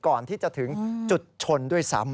ก่อนที่จะถึงจุดชนด้วยซ้ำ